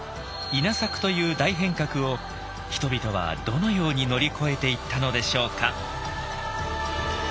稲作という大変革を人々はどのように乗り越えていったのでしょうか。